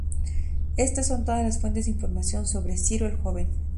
Estas son todas las fuentes de información sobre Ciro el Joven.